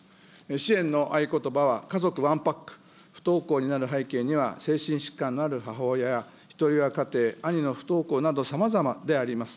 支援の合言葉は、家族ワンパック、不登校になる背景には、精神疾患のある母親やひとり親家庭、兄の不登校など、さまざまであります。